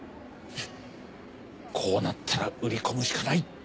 こうなったら売り込むしかない！